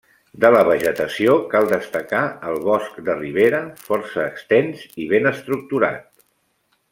De la vegetació cal destacar el bosc de ribera, força extens i ben estructurat.